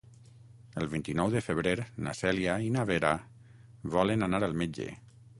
El vint-i-nou de febrer na Cèlia i na Vera volen anar al metge.